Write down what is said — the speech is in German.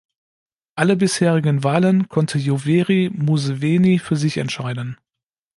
Alle bisherigen Wahlen konnte Yoweri Museveni für sich entscheiden.